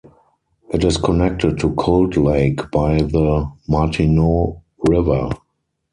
It is connected to Cold Lake by the Martineau River.